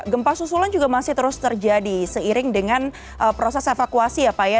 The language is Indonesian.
gempa susulan juga masih terus terjadi seiring dengan proses evakuasi ya pak ya